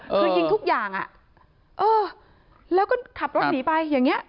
คือยิงทุกอย่างอ่ะเออแล้วก็ขับรถหนีไปอย่างเงี้